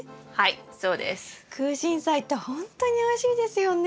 クウシンサイってほんとにおいしいですよね。